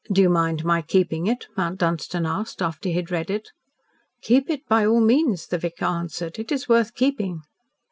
"Do you mind my keeping it?" Mount Dunstan asked, after he had read it. "Keep it by all means," the vicar answered. "It is worth keeping."